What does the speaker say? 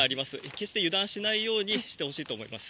決して油断しないようにしてほしいと思います。